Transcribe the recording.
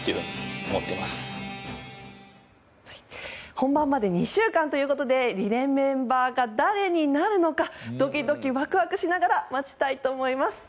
本番まで２週間ということでリレーメンバーが誰になるのかドキドキワクワクしながら待ちたいと思います。